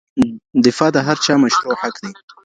دفاع د هر چا مشروع حق دی.